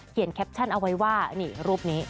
แคปชั่นเอาไว้ว่านี่รูปนี้